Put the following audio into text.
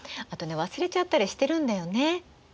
あとね忘れちゃったりしてるんだよね。